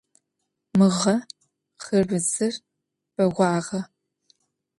Mığe xhırbıdzır beğuağe.